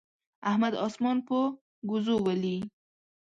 احمد اسمان په ګوزو ولي.